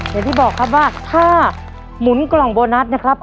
อย่างที่บอกครับว่าถ้าหมุนกล่องโบนัสนะครับ